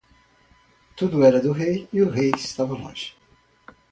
Tudo era do rei e o rei estava longe.